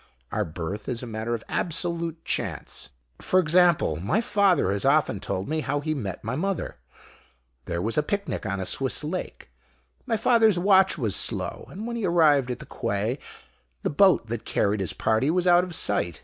Our birth is a matter of absolute chance. For example, my father has often told me how he met my mother. There was a picnic on a Swiss lake. My father's watch was slow, and when he arrived at the quay the boat that carried his party was out of sight.